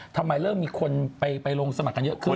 ทำไมเริ่มมีคนไปลงสมัครกันเยอะขึ้น